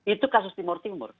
itu kasus timur timur